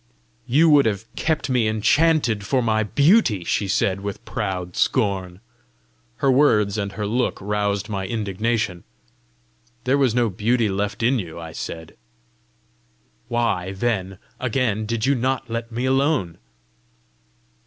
"You would have kept me enchanted for my beauty!" she said, with proud scorn. Her words and her look roused my indignation. "There was no beauty left in you," I said. "Why, then, again, did you not let me alone?"